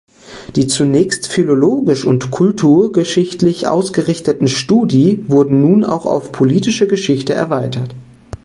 Die zunächst philologisch und kulturgeschichtlich ausgerichteten „Studi“" wurden nun auch auf politische Geschichte erweitert.